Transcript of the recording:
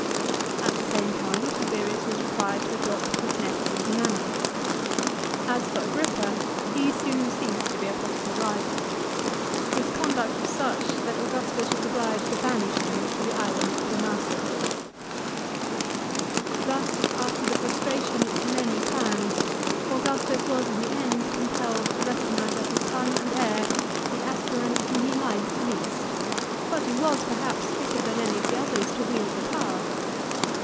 At the same tune Tiberius was required to adopt his nephew Germanicus. As for Agrippa, he soon ceased to be a possible rival. His conduct was such that Augustus was obliged to banish him to the island of Planasia. Thus, after the frustration of many plans, Augustus was in the end compelled to recognise as his son and heir the aspirant whom he liked least, but who was perhaps fitter than any of the others to wield the power.